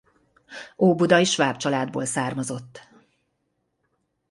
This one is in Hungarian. Óbudai sváb családból származott.